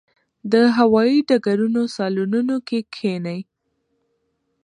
د هوايي ډګرونو صالونونو کې کښېني.